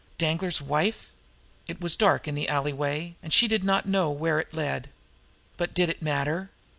Danglar's wife! It was dark here in the alley way, and she did not know where it led to. But did it matter?